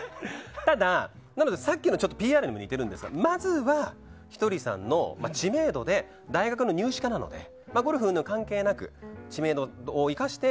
ただ、さっきのＰＲにも似てるんですがまずは、ひとりさんの知名度で、大学の入試課なのでゴルフうんぬんは関係なく知名度を生かして。